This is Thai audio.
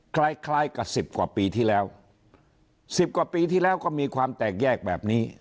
คล้ายคล้ายกับสิบกว่าปีที่แล้วสิบกว่าปีที่แล้วก็มีความแตกแยกแบบนี้